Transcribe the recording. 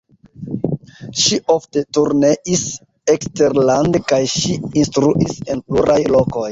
Ŝi ofte turneis eksterlande kaj ŝi instruis en pluraj lokoj.